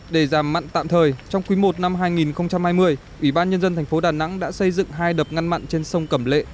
để giảm mặn tạm thời trong quý i năm hai nghìn hai mươi ủy ban nhân dân thành phố đà nẵng đã xây dựng hai đập ngăn mặn trên sông cẩm lệ